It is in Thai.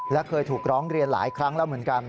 และเคยถูกร้องเรียนหลายครั้งแล้วเหมือนกัน